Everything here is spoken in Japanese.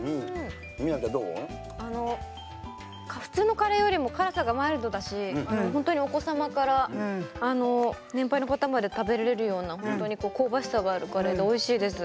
普通のカレーよりも辛さがマイルドだし本当にお子様から年配の方まで食べられるような香ばしさがあるカレーでおいしいです。